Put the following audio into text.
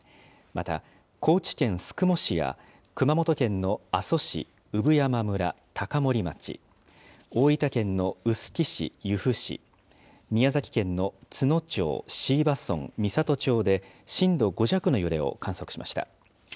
また、高知県宿毛市や、熊本県の阿蘇市、産山村、高森町、大分県の臼杵市、由布市、宮崎県の都農町、椎葉村、美郷町で震度５弱の揺れを観測しました。